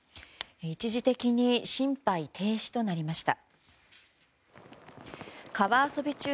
一時的に心肺停止となりました。